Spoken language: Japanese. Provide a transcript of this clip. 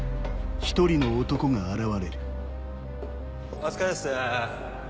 お疲れっす。